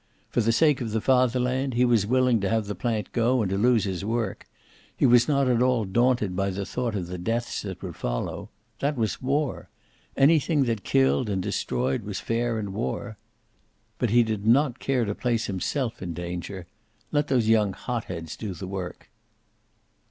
For the sake of the Fatherland he was willing to have the plant go, and to lose his work. He was not at all daunted by the thought of the deaths that would follow. That was war. Anything that killed and destroyed was fair in war. But he did not care to place himself in danger. Let those young hot heads do the work.